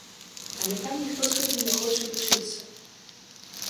Але там ніхто з гэтым не хоча лічыцца.